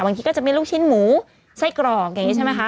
ก็จะมีลูกชิ้นหมูไส้กรอกอย่างนี้ใช่ไหมคะ